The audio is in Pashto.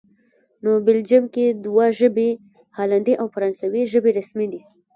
نو بلجیم کې دوه ژبې، هالندي او فرانسوي ژبې رسمي دي